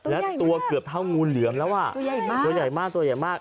แล้วตัวเกือบเท่างูเหลือมแล้วอ่ะตัวใหญ่มากตัวใหญ่มากตัวใหญ่มาก